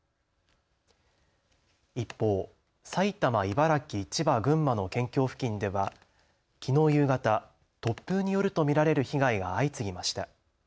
一方埼玉、茨城、千葉、群馬の県境付近ではきのう夕方突風によると見られる被害が相次ぎました。